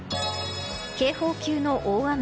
警報級の大雨。